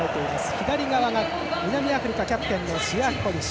左側が南アフリカキャプテンのシヤ・コリシ。